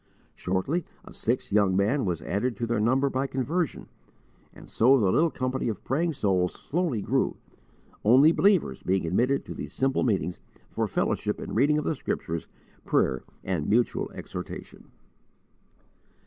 Shortly a sixth young man was added to their number by conversion, and so the little company of praying souls slowly grew, only believers being admitted to these simple meetings for fellowship in reading of the Scriptures, prayer, and mutual exhortation.